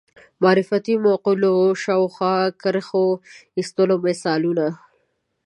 معرفتي مقولو شاوخوا کرښو ایستلو مثالونه